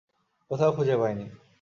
কোথাও খুঁজে পাইনি।